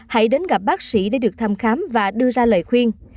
hãy đến gặp bác sĩ để được thăm khám và đưa ra lời khuyên